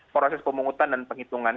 proses pemungutan dan penghitungan